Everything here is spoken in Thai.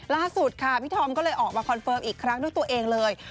ล่าสุดค่ะพี่ธอมก็เลยออกมาคอนเฟิร์มอีกครั้งด้วยตัวเองเลย